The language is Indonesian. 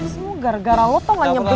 semoga gara gara lo tau gak nyebelin lampu